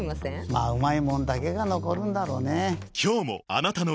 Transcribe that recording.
まぁうまいもんだけが残るんだろうねぇ。